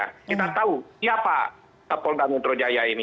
kita tahu siapa kapolda metro jaya ini